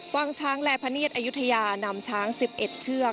วางช้างและพะเนียดอายุทยานำช้าง๑๑เชือก